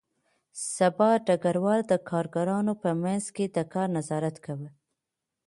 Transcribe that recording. سبا ډګروال د کارګرانو په منځ کې د کار نظارت کاوه